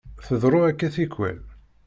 Tḍerru akka tikkwal.